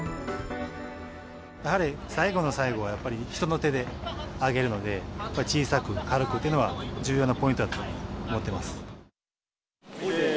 やはり最後の最後は、やっぱり人の手で上げるので、やっぱり小さく、軽くというのは重要なポイントだと思ってます。